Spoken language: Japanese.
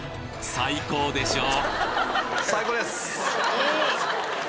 最高でしょ？